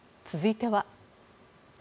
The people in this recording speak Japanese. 続いては。